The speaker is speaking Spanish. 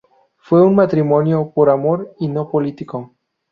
Fue un matrimonio por amor y no político.